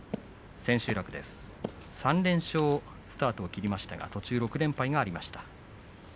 千秋楽へ３連勝スタートを切りましたが途中で６連敗がありました。